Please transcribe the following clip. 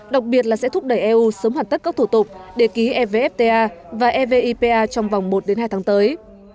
đặc biệt là sẽ thúc đẩy eu sớm hoàn tất các thủ tục để ký evfta và evipa trong vòng một hai tháng tới